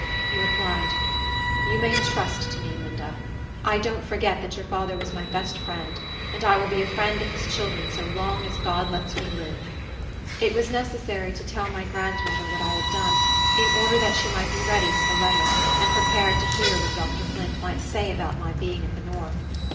He replied, "You may trust to me, Linda. I don't forget that your father was my best friend, and I will be a friend to his children so long as God lets me live." It was necessary to tell my grandmother what I had done, in order that she might be ready for the letter, and prepared to hear what Dr. Flint might say about my being at the north.